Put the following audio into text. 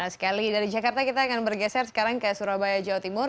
sekali dari jakarta kita akan bergeser sekarang ke surabaya jawa timur